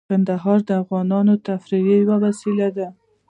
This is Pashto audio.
کندهار د افغانانو د تفریح یوه وسیله ده.